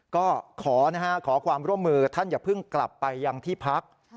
ก็ขอนะฮะขอความร่วมมือท่านอย่าเพิ่งกลับไปยังที่พัก